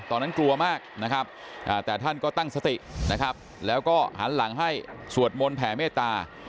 ตอนนั้นกลัวมากนะครับแต่ท่านก็ตั้งสตินะครับแล้วก็หันหลังให้สวดมนต์แผ่เมตตา